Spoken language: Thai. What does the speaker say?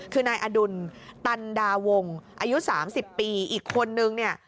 คือนายอดุลตันดาวงอายุ๓๐ปีอีกคนนึงเนี่ย